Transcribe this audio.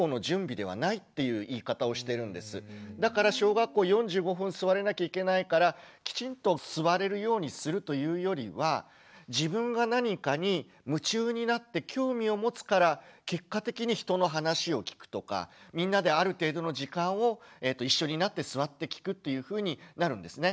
だから小学校４５分座れなきゃいけないからきちんと座れるようにするというよりは自分が何かに夢中になって興味を持つから結果的に人の話を聞くとかみんなである程度の時間を一緒になって座って聞くというふうになるんですね。